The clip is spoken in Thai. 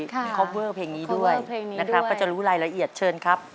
มีคอปเวอร์เพลงนี้ด้วยนะครับก็จะรู้รายละเอียดเชิญครับ